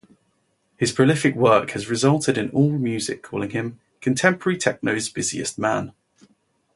His prolific work has resulted in AllMusic calling him contemporary techno's busiest man.